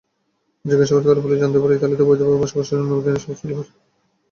জিজ্ঞাসাবাদ করে পুলিশ জানতে পারে ইতালিতে বৈধ ভাবে বসবাসের অনুমতি নেই সবুজ খলিফার।